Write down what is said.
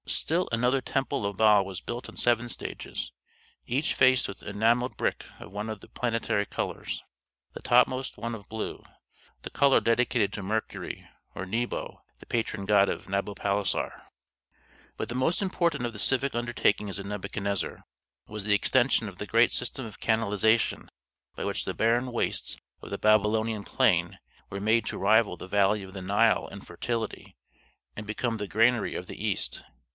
Still another temple of Bel was built in seven stages, each faced with enamelled brick of one of the planetary colors; the topmost one of blue, the color dedicated to Mercury or Nebo, the patron god of Nabopolassar. But the most important of the civic undertakings of Nebuchadnezzar was the extension of the great system of canalization by which the barren wastes of the Babylonian plain were made to rival the valley of the Nile in fertility, and become the granary of the East.